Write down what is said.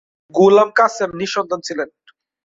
গোলাম কাসেম নিঃসন্তান ছিলেন।